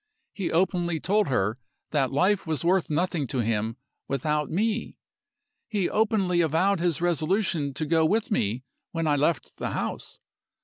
He openly told her that life was worth nothing to him without me. He openly avowed his resolution to go with me when I left the house.